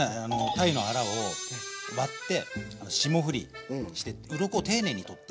鯛のアラを割って霜降りしてってうろこを丁寧に取って。